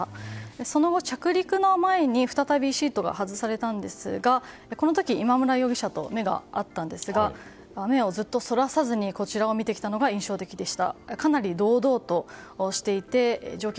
その後、着陸の前に再びシートが外されたんですがこの時、今村容疑者と目が合ったんですが目をずっとそらさずにこちらを見てきたのが印象的でした。